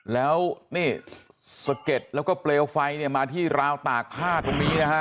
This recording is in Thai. แล้วนี่สะเก็ดแล้วก็เปลวไฟเนี่ยมาที่ราวตากผ้าตรงนี้นะฮะ